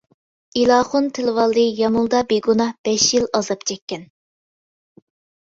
ئېلاخۇن تىلىۋالدى يامۇلدا بىگۇناھ بەش يىل ئازاب چەككەن.